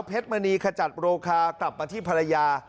ท็ดเมอร์นีขจัดโรครับมาได้ที่ภรรยา